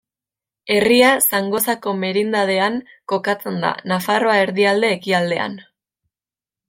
Herria Zangozako merindadean kokatzen da, Nafarroa erdialde-ekialdean.